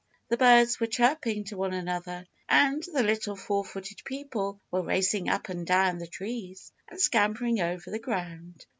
The birds were chirping to one another, and the Little Four footed People were racing up and down the trees and scampering over the ground.